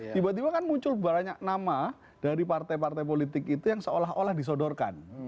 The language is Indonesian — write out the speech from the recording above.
tiba tiba kan muncul banyak nama dari partai partai politik itu yang seolah olah disodorkan